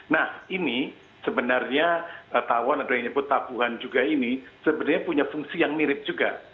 nah ini sebenarnya tawon atau yang disebut tabuhan juga ini sebenarnya punya fungsi yang mirip juga